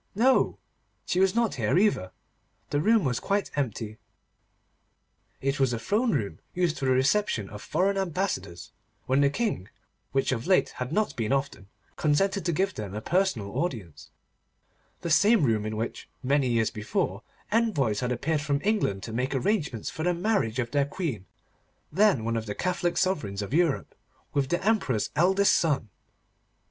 No! She was not here either. The room was quite empty. It was a throne room, used for the reception of foreign ambassadors, when the King, which of late had not been often, consented to give them a personal audience; the same room in which, many years before, envoys had appeared from England to make arrangements for the marriage of their Queen, then one of the Catholic sovereigns of Europe, with the Emperor's eldest son.